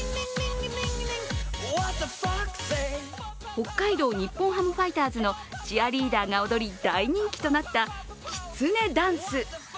北海道日本ハムファイターズのチアリーダーが踊り大人気となった、きつねダンス。